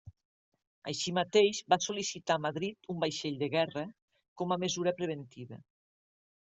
Així mateix, va sol·licitar a Madrid un vaixell de guerra, com a mesura preventiva.